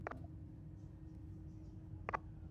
আপনি একটা পাগল।